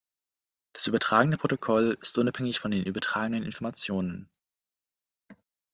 Das übertragende Protokoll ist unabhängig von den übertragenen Informationen.